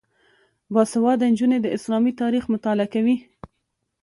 باسواده نجونې د اسلامي تاریخ مطالعه کوي.